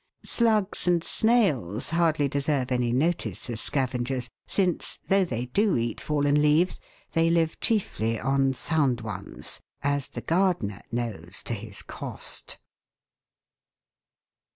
Slugs and snails hardly deserve any notice as scavengers, since, though they do eat fallen leaves, they live chiefly on sound ones, as the gardener knows to his cost.